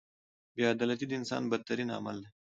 • بې عدالتي د انسان بدترین عمل دی.